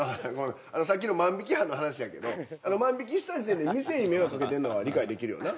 あのさっきの万引き犯の話やけど万引きした時点で店に迷惑かけてるのは理解できるよな？